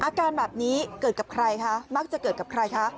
อาการแบบนี้เกิดกับใครคะมักจะเกิดกับใครคะ